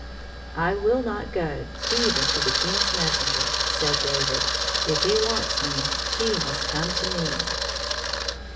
" I will not go even to the King's messenger," said David. " If he wants me, he must come 10 me."